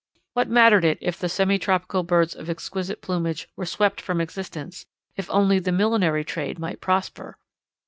What mattered it if the semi tropical birds of exquisite plumage were swept from existence, if only the millinery trade might prosper!